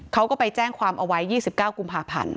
เขาก็ไปแจ้งความเอาไว้๒๙กุมภาพันธ์